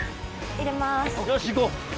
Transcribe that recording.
入れます。